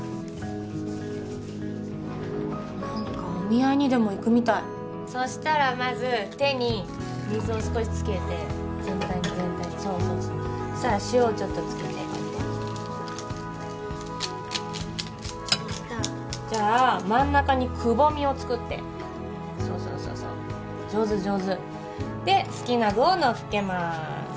何かお見合いにでも行くみたいそしたらまず手に水を少しつけて全体に全体にそうそうそうそしたら塩をちょっとつけてこうやってじゃあ真ん中にくぼみを作ってそうそうそうそう上手上手で好きな具をのっけまーす